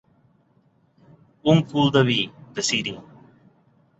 Un cul de vi, de ciri.